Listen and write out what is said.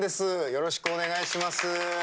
よろしくお願いします。